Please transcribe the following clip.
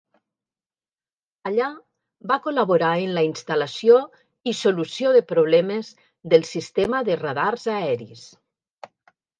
Allà, va col·laborar en la instal·lació i solució de problemes del sistema de radars aeris.